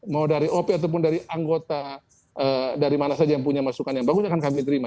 mau dari op ataupun dari anggota dari mana saja yang punya masukan yang bagus akan kami terima